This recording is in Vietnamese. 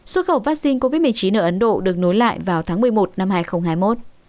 xuất khẩu vaccine covid một mươi chín ở ấn độ được nối lại vào tháng một mươi một năm hai nghìn hai mươi một